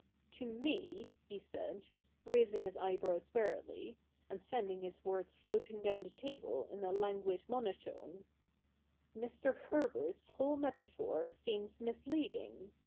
' To me,' he said, raising his eyebrows wearily, and sending his words floating down the table in a languid monotone, ' Mr. Herbert's whole metaphor seems mis leading.